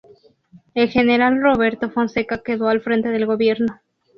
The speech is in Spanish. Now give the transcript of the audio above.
El general Roberto Fonseca quedó al frente del gobierno.